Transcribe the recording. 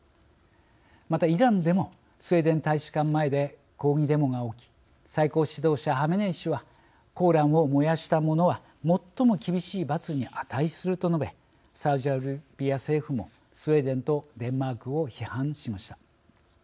また、イランでもスウェーデン大使館前で抗議デモが起き最高指導者ハメネイ師はコーランを燃やした者は最も厳しい罰に値すると述べサウジアラビア政府もスウェーデンとデンマークを批判しました。